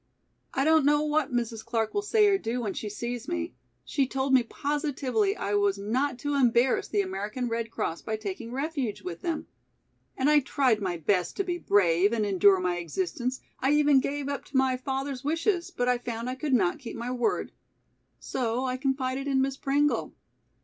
"I don't know what Mrs. Clark will say or do when she sees me. She told me positively I was not to embarrass the American Red Cross by taking refuge with them. And I tried my best to be brave and endure my existence. I even gave up to my father's wishes, but I found I could not keep my word. So I confided in Miss Pringle.